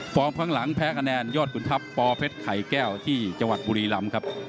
ข้างหลังแพ้คะแนนยอดขุนทัพปเพชรไข่แก้วที่จังหวัดบุรีรำครับ